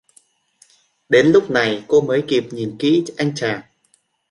Đến lúc này cô mới kịp Nhìn kỹ anh chàng